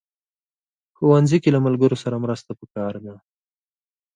ښوونځی کې له ملګرو سره مرسته پکار ده